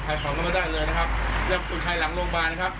ขายของเข้าไปได้เลยนะครับแล้วประตูชัยหลังโรงพยาบาลนะครับ